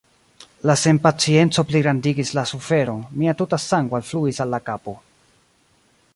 La senpacienco pligrandigis la suferon; mia tuta sango alfluis al la kapo.